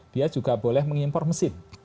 dia juga boleh mengimpor mesin